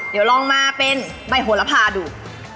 เดี๋ยวลองมาเป็นใบโหระพาดู